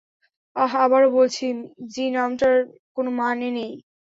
আহ, আবারও বলছি, যী নামটার কোনো মানে নেই।